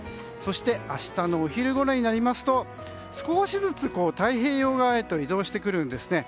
そして明日のお昼ごろになりますと少しずつ太平洋側へと移動してくるんです。